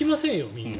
みんな。